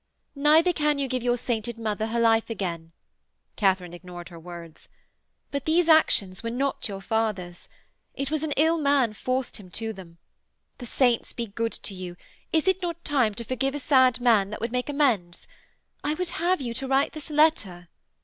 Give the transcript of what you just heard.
'Neither can you give your sainted mother her life again.' Katharine ignored her words. 'But these actions were not your father's. It was an ill man forced him to them. The saints be good to you; is it not time to forgive a sad man that would make amends? I would have you to write this letter.'